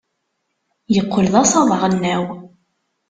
Yeqqel d asaḍ aɣelnaw.